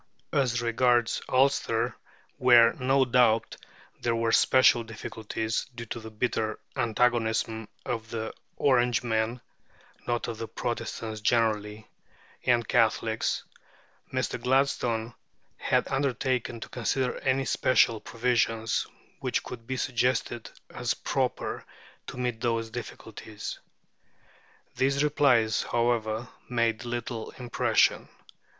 As regards Ulster, where, no doubt, there were special difficulties, due to the bitter antagonism of the Orangemen (not of the Protestants generally) and Catholics, Mr. Gladstone had undertaken to consider any special provisions which could be suggested as proper to meet those difficulties. These replies, however, made little impression.